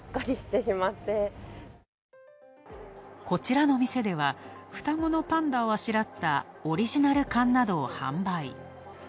こちらの店では、双子のパンダをあしらったオリジナル缶などを販売。